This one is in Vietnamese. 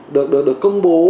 được được công bố